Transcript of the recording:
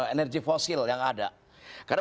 energi fosil yang ada karena